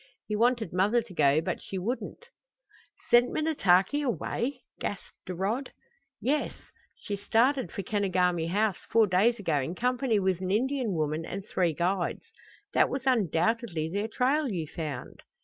He wanted mother to go, but she wouldn't." "Sent Minnetaki away?" gasped Rod. "Yes. She started for Kenogami House four days ago in company with an Indian woman and three guides. That was undoubtedly their trail you found."